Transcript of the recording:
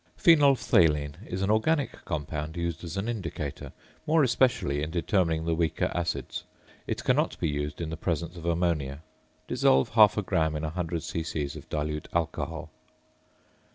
~Phenolphthalein~ is an organic compound used as an indicator; more especially in determining the weaker acids, it cannot be used in the presence of ammonia. Dissolve half a gram in 100 c.c. of dilute alcohol.